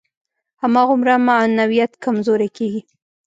هماغومره معنویت کمزوری کېږي.